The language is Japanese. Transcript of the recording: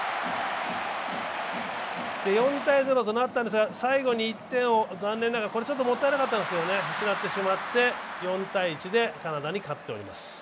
４−０となったんですが最後に１点を残念ながら、もったいなかったんですけど失ってしまって４−１でカナダに勝っております